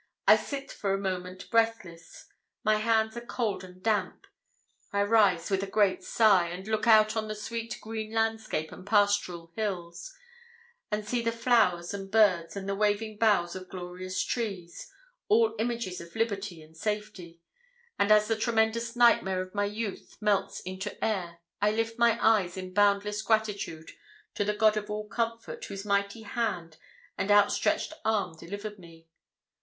I sit for a moment breathless. My hands are cold and damp. I rise with a great sigh, and look out on the sweet green landscape and pastoral hills, and see the flowers and birds and the waving boughs of glorious trees all images of liberty and safety; and as the tremendous nightmare of my youth melts into air, I lift my eyes in boundless gratitude to the God of all comfort, whose mighty hand and outstretched arm delivered me.